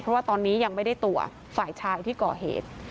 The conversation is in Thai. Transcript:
เพราะว่าตอนนี้ยังไม่ได้ตัวฝ่ายชายที่ก่อเหตุ